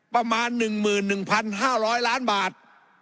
ประมาณ๑๑๕๐๐ล้านบาท